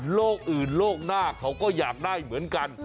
โลกอื่นโลกหน้าเขาก็อยากได้เหมือนกัน